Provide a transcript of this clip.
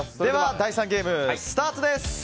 第３ゲームスタートです。